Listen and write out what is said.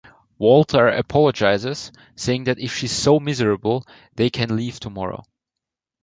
Walter apologizes, saying that if she's so miserable, they can leave tomorrow.